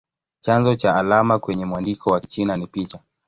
Chanzo cha alama kwenye mwandiko wa Kichina ni picha.